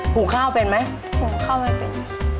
หุ่งข้าวเป็นไหมครับหุ่งข้าวไม่เป็น